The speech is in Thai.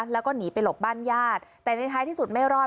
แล้วก็หนีไปหลบบ้านญาติแต่ในท้ายที่สุดไม่รอด